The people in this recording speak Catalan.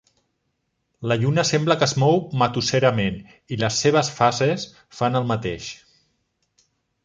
La lluna sembla que es mou matusserament, i les seves fases fan el mateix.